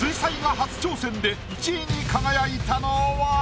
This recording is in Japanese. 初挑戦で１位に輝いたのは？